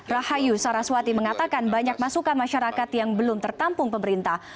rahayu saraswati mengatakan banyak masukan masyarakat yang belum tertampung pemerintah